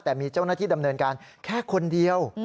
แต่มีเจ้าหน้าที่ดำเนินการแค่คนเดียว